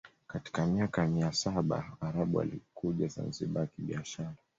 Katika miaka ya mia saba Waarabu walikuja Zanzibar kibiashara